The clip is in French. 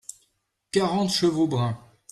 quarante chevaux bruns.